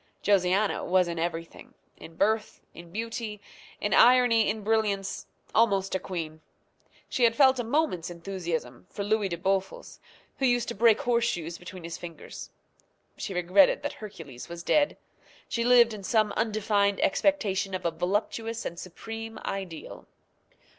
Josiana was in everything in birth, in beauty, in irony, in brilliancy almost a queen. She had felt a moment's enthusiasm for Louis de Bouffles, who used to break horseshoes between his fingers. She regretted that Hercules was dead. She lived in some undefined expectation of a voluptuous and supreme ideal.